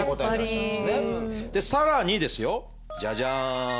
更にですよジャジャン！